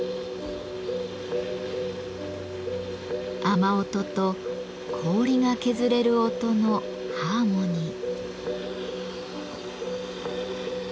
雨音と氷が削れる音のハーモニー。